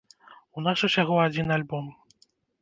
У нас усяго адзін альбом.